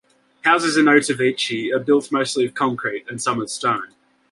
Houses in Otavice are built mostly of concrete, and some of stone.